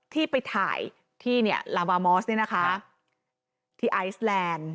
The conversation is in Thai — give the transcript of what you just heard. ที่ไปถ่ายที่เนี่ยลาวามอสเนี่ยนะคะที่ไอซแลนด์